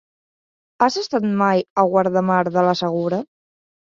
Has estat mai a Guardamar del Segura?